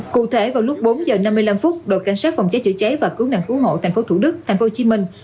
cụ thể vào lúc bốn giờ năm mươi năm đội cảnh sát phòng cháy chữa cháy và cứu nạn cứu hộ thành phố thủ đức thành phố hồ chí minh